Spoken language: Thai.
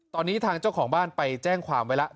ตอนนี้ทางเจ้าของบ้านไปแจ้งความไว้แล้ว